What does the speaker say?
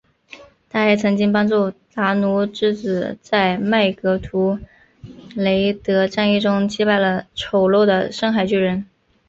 她还曾经帮助达努之子在麦格图雷德战役中击败了丑陋的深海巨人。